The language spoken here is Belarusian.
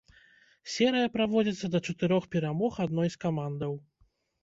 Серыя праводзіцца да чатырох перамог адной з камандаў.